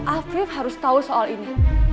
afif harus tahu soal ini